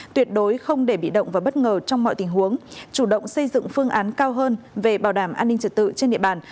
tuyệt đối không để bị động và bất ngờ trong mọi tình huống chủ động xây dựng phương án cao hơn về bảo đảm an ninh trật tự trên địa bàn